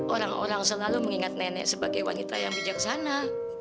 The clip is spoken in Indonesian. orang orang selalu mengingat nenek sebagai wanita yang bijaksana